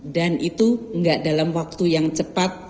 dan itu tidak dalam waktu yang cepat